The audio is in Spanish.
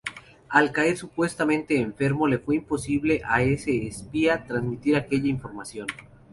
Al caer supuestamente enfermo, le fue imposible a ese espía transmitir aquella información.